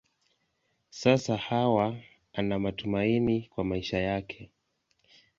Sasa Hawa ana matumaini kwa maisha yake.